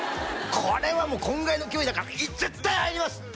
「これはもうこんぐらいの距離だから」「絶対入ります」